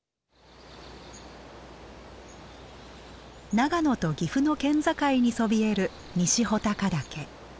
長野と岐阜の県境にそびえる西穂高岳。